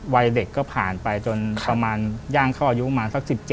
วัยเด็กก็ผ่านไปจนประมาณย่างเขาอายุมาสัก๑๗